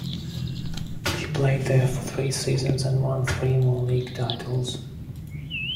He played there for three seasons, and won three more league titles.